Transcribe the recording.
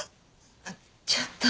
あっちょっと。